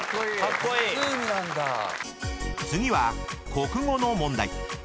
［次は国語の問題］